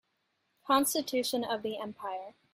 Constitution of the empire.